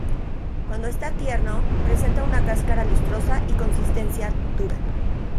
Cuando está tierno presenta una cáscara lustrosa y consistencia dura.